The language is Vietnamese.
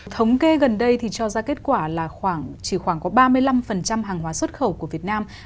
thống kê gần đây thì cho ra kết quả là khoảng chỉ khoảng có ba mươi năm hàng hóa xuất khẩu của việt nam